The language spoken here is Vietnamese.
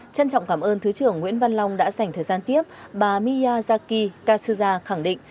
trân trọng cảm ơn thứ trưởng nguyễn văn long đã dành thời gian tiếp bà miyazaki kasuza khẳng định